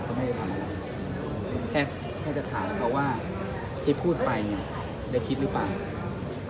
เขาไม่ได้ทำอะไรแค่จะถามเขาว่าที่พูดไปเนี่ยได้คิดหรือเปล่าครับ